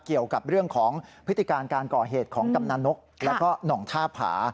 เกี่ยวกับเรื่องของพฤติการการก่อเหตุของกำนันนกแล้วก็หน่องท่าผา